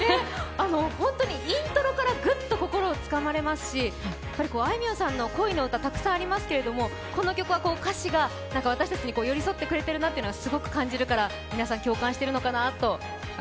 本当にイントロからぐっと心をつかまれますしあいみょんさんの恋の歌たくさんありますけどこの曲は歌詞が私たちに寄り添ってくれてるなって感じるから皆さん、共感しているのかなと。